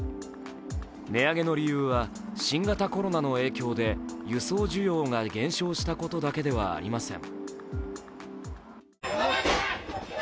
値上げの理由は新型コロナの影響で輸送需要が減少したことだけではありません。